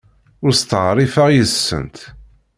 Ur steɛṛifeɣ yes-sent.